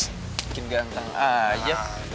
bikin ganteng aja